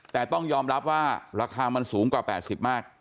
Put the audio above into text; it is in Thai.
แต่ต้องยอมรับว่าราคามันสูงกว่า๘๐มาก